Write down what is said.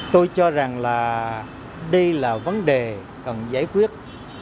tôi cho rằng là đây là vấn đề cần giải quyết